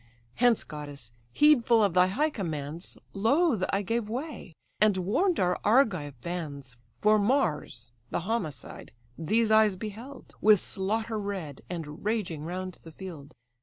Hence, goddess! heedful of thy high commands, Loth I gave way, and warn'd our Argive bands: For Mars, the homicide, these eyes beheld, With slaughter red, and raging round the field."